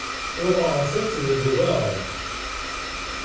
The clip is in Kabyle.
Uɣeɣ-tent deg uḍar.